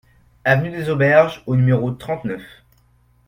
Avenue des Auberges au numéro trente-neuf